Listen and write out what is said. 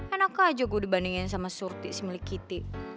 enak aja gue dibandingin sama surti semilik kiti